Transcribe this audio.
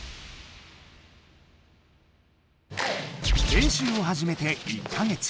練習をはじめて１か月。